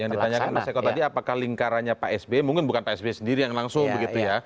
yang ditanyakan pak seko tadi apakah lingkarannya pak sp mungkin bukan pak sp sendiri yang langsung begitu ya